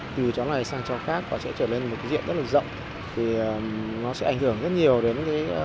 từ chó này sang chó khác và sẽ trở nên một cái diện rất là rộng thì nó sẽ ảnh hưởng rất nhiều đến